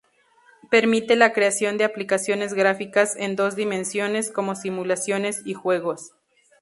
Permite la creación de aplicaciones gráficas en dos dimensiones, como simulaciones y juegos.